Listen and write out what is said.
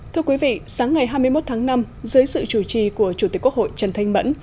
thưa quý vị sáng ngày hai mươi một tháng năm dưới sự chủ trì của chủ tịch quốc hội trần thanh mẫn